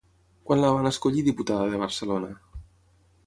Quan la van escollir diputada de Barcelona?